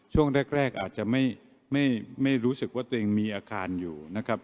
ช่วงแรกอาจจะไม่รู้สึกว่าตัวเองมีอาคารอยู่นะครับ